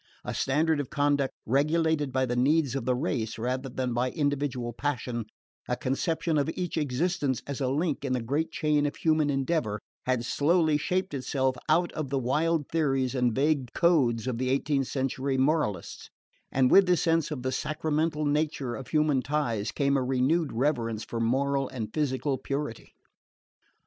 A standard of conduct regulated by the needs of the race rather than by individual passion, a conception of each existence as a link in the great chain of human endeavour, had slowly shaped itself out of the wild theories and vague "codes" of the eighteenth century moralists; and with this sense of the sacramental nature of human ties, came a renewed reverence for moral and physical purity.